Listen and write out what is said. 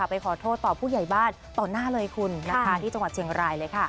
ไปขอโทษต่อผู้ใหญ่บ้านต่อหน้าเลยคุณที่จังหวัดเชียงรายเลยค่ะ